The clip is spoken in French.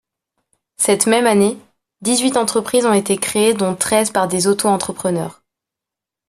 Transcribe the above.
Cette même année, dix-huit entreprises ont été créées dont treize par des Auto-entrepreneurs.